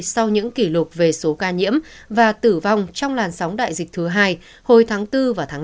sau những kỷ lục về số ca nhiễm và tử vong trong làn sóng đại dịch thứ hai hồi tháng bốn và tháng năm